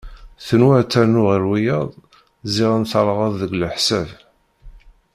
Tenwa ad ternu ɣer wiyaḍ ziɣen teɣleḍ deg leḥsab.